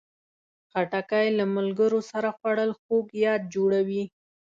خټکی له ملګرو سره خوړل خوږ یاد جوړوي.